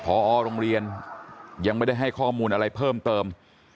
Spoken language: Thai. พอโรงเรียนยังไม่ได้ให้ข้อมูลอะไรเพิ่มเติม